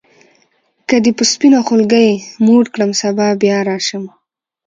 که دي په سپینه خولګۍ موړ کړم سبا بیا راشم.